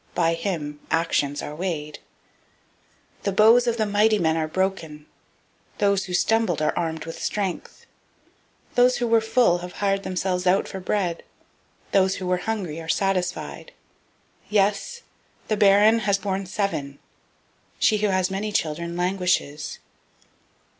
By him actions are weighed. 002:004 The bows of the mighty men are broken. Those who stumbled are girded with strength. 002:005 Those who were full have hired themselves out for bread. Those who were hungry have ceased [to hunger]. Yes, the barren has borne seven. She who has many children languishes.